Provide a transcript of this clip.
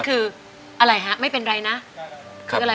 โปรดติดตามตอนต่อไป